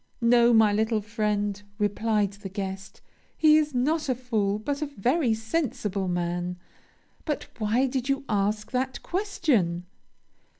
'No, my little friend,' replied the guest, 'he is not a fool, but a very sensible man. But why did you ask that question?'